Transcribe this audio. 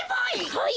はい！